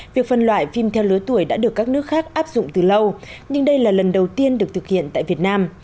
việc phân loại phim theo lứa tuổi đã được các nước khác áp dụng từ lâu nhưng đây là lần đầu tiên được thực hiện tại việt nam